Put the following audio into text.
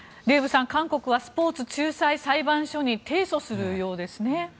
デーブさん、韓国はスポーツ仲裁裁判所に提訴するようですね。